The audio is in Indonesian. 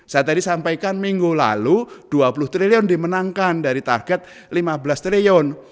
saya tadi sampaikan minggu lalu dua puluh triliun dimenangkan dari target lima belas triliun